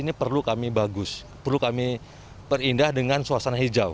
ini perlu kami bagus perlu kami perindah dengan suasana hijau